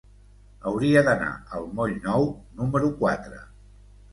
Hauria d'anar al moll Nou número quatre.